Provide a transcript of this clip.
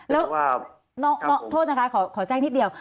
แล้วโทษนะคะขอแทรกนิดเดียว